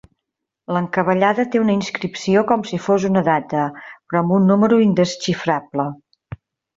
L'encavallada té una inscripció com si fos una data, però amb un número indesxifrable.